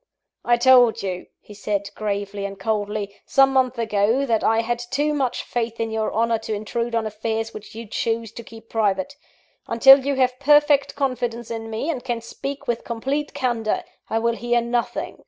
"I told you," he said, gravely and coldly, "some months ago, that I had too much faith in your honour to intrude on affairs which you choose to keep private. Until you have perfect confidence in me, and can speak with complete candour, I will hear nothing.